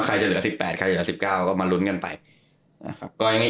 ใครจะเหลือสิบแปดใครจะเหลือสิบเก้าก็มาลุ้นกันไปนะครับก็ยังไง